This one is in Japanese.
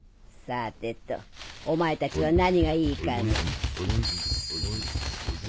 さてとお前たちは何がいいかね。